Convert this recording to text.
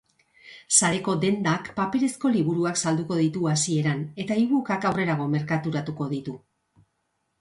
Sareko dendak paperezko liburuak salduko ditu hasieran eta ebook-ak aurrerago merkaturatuko ditu.